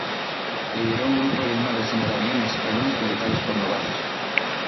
Lideró un grupo de una docena de aviones, algunos pilotados por novatos.